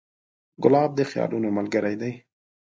ګلاب د خیالونو ملګری دی.